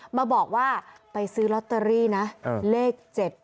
มาบอกว่าไปซื้อลอตเตอรี่นะเลข๗๗